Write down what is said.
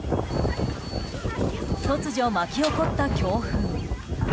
突如巻き起こった強風。